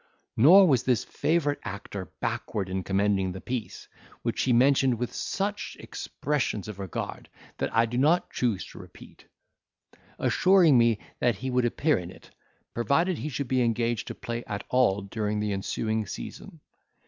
Nor was this favourite actor backward in commending the piece, which he mentioned with such expressions of regard, that I do not choose to repeat: assuring me that he would appear in it, provided he should be engaged to play at all during the ensuing season.